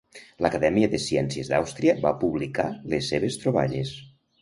L'Acadèmia de Ciències d'Àustria va publicar les seves troballes.